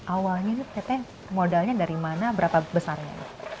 awalnya ini tete modalnya dari mana berapa besarnya